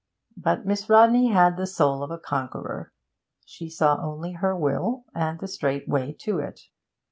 But Miss Rodney had the soul of a conqueror; she saw only her will, and the straight way to it.